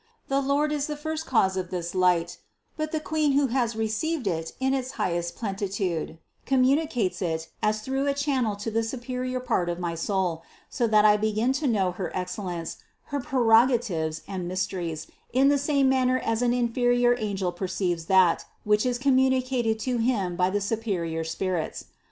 The Lord is the first cause of this light, but the Queen who has received it in its highest plenitude, communicates it as through a channel to the superior part of my soul, so that I begin to know her excellence, her prerogatives and mysteries in the same manner as an inferior angel perceives that, which is com 44 CITY OF GOD municated to him by the superior spirits.